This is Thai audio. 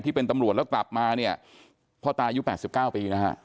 ที่เป็นตำรวจแล้วกลับมาเนี่ยพ่อตายุ๘๙ปีนะฮะ